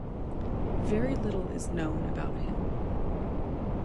Very little is known about him.